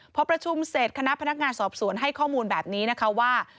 พอประชุมเสร็จคณะพนักงานสอบสวนให้ข้อมูลแบบนี้นะคะว่า